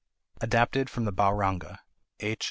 [Adapted from the Ba Ronga (H.